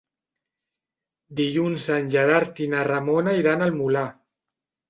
Dilluns en Gerard i na Ramona iran al Molar.